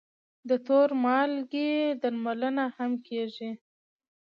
د تور مالګې درملنه هم کېږي.